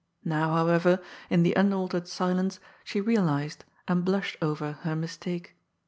!N'ow, howevery in the un altered silence, she realized, and blnshed over, her mistake.